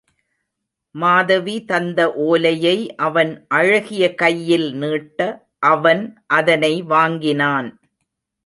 மாதவி தந்த ஓலையை அவன் அழகிய கையில் நீட்ட அவன் அதனை வாங்கினான்.